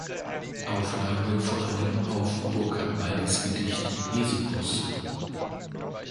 Auflage vor allem auf Burkard Waldis' Gedicht "Esopus".